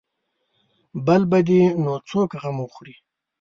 بل به دې نو څوک غم وخوري.